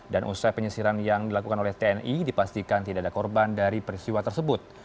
dan usai penyesiran yang dilakukan oleh tni dipastikan tidak ada korban dari peristiwa tersebut